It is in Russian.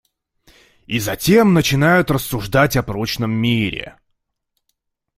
И затем начинают рассуждать о прочном мире.